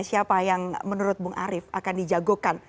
siapa yang menurut bung arief akan dijagokan